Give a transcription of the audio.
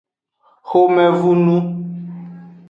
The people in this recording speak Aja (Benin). Xomevunu.